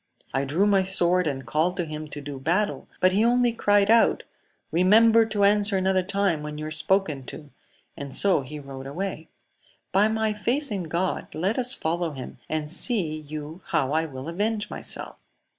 I drew my sword, and called to him to do battle ; but he only cried out, Eemember to answer another time when you are spoken to I and so he rode away. By my faith in God, let us follow him, and see you how I will avenge myself.